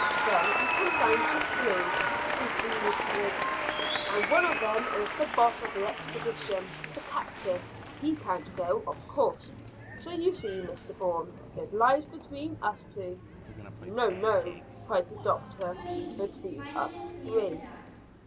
"Then we come down to three," continued Griggs, "and one of them is the boss of the expedition the captain. He can't go, of course. So you see, Mr Bourne, it lies between us two." "No, no," cried the doctor, "between us three."